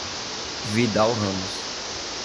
Vidal Ramos